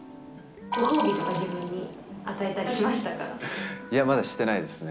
ご褒美とか自分に与えたりしいや、まだしてないですね。